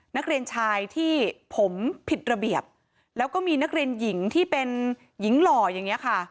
นักเรียนชายที่ผมผิดระเบียบแล้วก็มีนักเรียนหญิงที่เป็นหญิงหล่ออย่างนี้ค่ะ